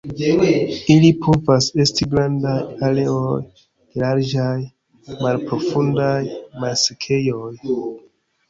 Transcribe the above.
Ili povas esti grandaj areoj de larĝaj, malprofundaj malsekejoj.